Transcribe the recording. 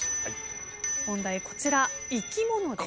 問題こちら生き物です。